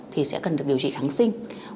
thì sẽ cần được điều trị kháng sinh